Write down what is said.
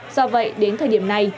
do vậy đến thời điểm này